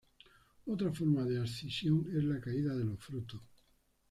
Otra forma de abscisión es la caída de los frutos.